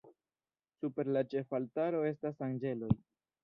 Super la ĉefaltaro estas anĝeloj.